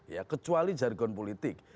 ya kecuali jargon politik